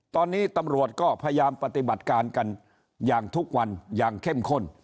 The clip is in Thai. ตอนนี้ตำรวจก็พยายามปฏิบัติการกันอย่างทุกวันอย่างเข้มข้น